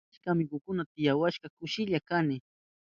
Achka amigukuna tiyawashpan kushilla kani.